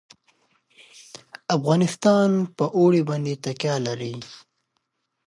افغانستان په اوړي باندې تکیه لري.